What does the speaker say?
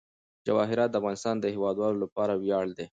جواهرات د افغانستان د هیوادوالو لپاره ویاړ دی.